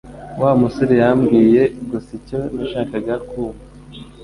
Wa musore yambwiye gusa icyo nashakaga kumva